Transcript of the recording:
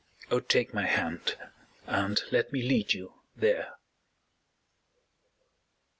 Oh, take my hand and let me lead you there.